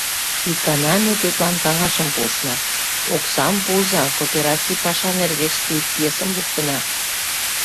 Икана ме тудлан каҥашым пуышна: «Оксам пуыза, коопераций паша нергеште ик пьесым луктына».